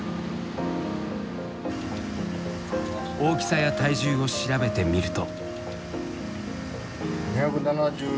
大きさや体重を調べてみると。